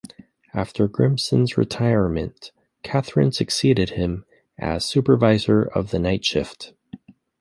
After Grissom's retirement, Catherine succeeded him as Supervisor of the Night Shift.